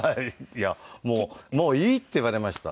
いや「もういい」って言われました。